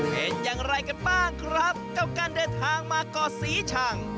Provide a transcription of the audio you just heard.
เป็นอย่างไรกันบ้างครับกับการเดินทางมาก่อศรีชัง